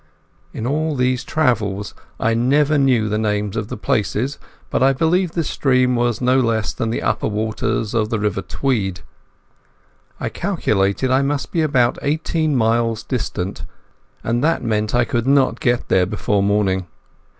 In all these travels I never knew the names of the places, but I believe this stream was no less than the upper waters of the river Tweed. I calculated I must be about eighteen miles distant, and that meant I could not get there before morning.